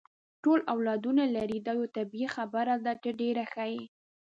ټول اولادونه لري، دا یوه طبیعي خبره ده، ته ډېره ښه یې.